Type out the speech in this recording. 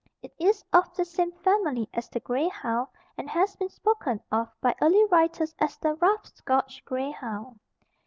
It is of the same family as the grey hound and has been spoken of by early writers as the Rough Scotch Grey Hound.